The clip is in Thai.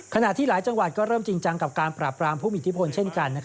ขณะที่หลายจังหวัดก็เริ่มจริงจังกับการปราบรามผู้มีอิทธิพลเช่นกัน